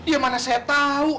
ya mana saya tau